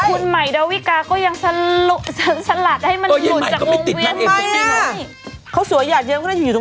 คุณหมายดาวิกาก็ยังสลัดให้มันหลุด